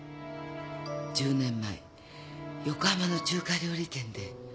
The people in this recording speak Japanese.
１０年前横浜の中華料理店で。